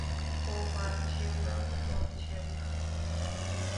ও মারছেও না, নড়ছেও না।